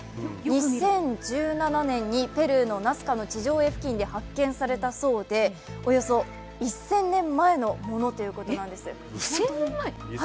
２０１７年にペルーのナスカの地上絵付近で発見されたそうでおよそ１０００年前のものということなんです。